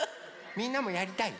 みんなもやりたい？